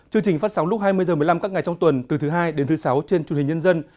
chương trình phát sóng lúc hai mươi h một mươi năm các ngày trong tuần từ thứ hai đến thứ sáu trên truyền hình nhân dân